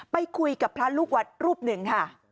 ไปคุยกับพระลูกวัดรูปหนึ่งค่ะ